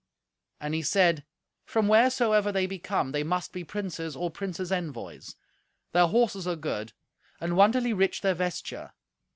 And he said, "From wheresoever they be come, they must be princes, or princes' envoys. Their horses are good, and wonderly rich their vesture.